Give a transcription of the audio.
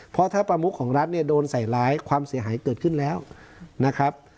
เพราะถ้าประมุขของรัฐเนี่ยโดนใส่ร้ายความเสียหายเกิดขึ้นแล้วนะครับ